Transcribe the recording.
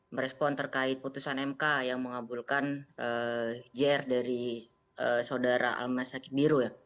merespon terkait keputusan mk yang mengabulkan hijir dari saudara almas haki biru ya